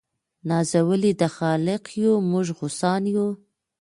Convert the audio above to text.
نازولي د خالق یو موږ غوثان یو